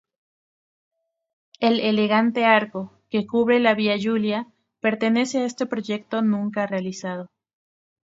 El elegante arco que cubre la Via Giulia pertenece a este proyecto, nunca realizado.